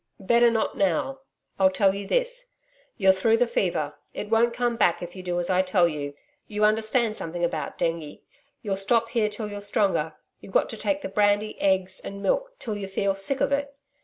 'Better not now. I'll tell you this. You're through the fever. It won't come back if you do as I tell you You understand something about dengue. You'll stop here till you're stronger. You've got to take the brandy, eggs and milk till you feel sick of it.